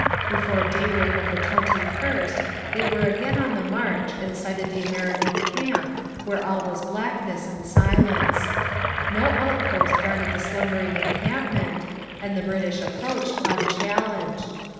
Before daybreak of the 21st they were again on the march and sighted the American camp while all was darkness and silence. No outpost guarded the slumbering encampment, and the British approached unchallenged.